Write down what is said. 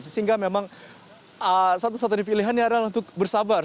sehingga memang satu satunya pilihannya adalah untuk bersabar